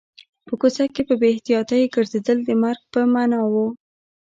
په کوڅه کې په بې احتیاطۍ ګرځېدل د مرګ په معنا و